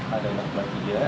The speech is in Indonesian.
ada anak kembar tiga